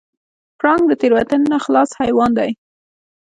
پړانګ د تېروتنې نه خلاص حیوان دی.